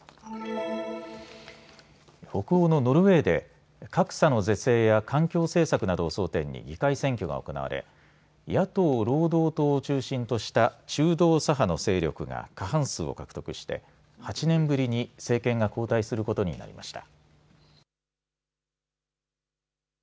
北欧のノルウェーで格差の是正や環境政策などを争点に議会選挙が行われ野党労働党を中心とした中道左派の勢力が過半数を獲得して８年ぶりに政権が交代することになりました。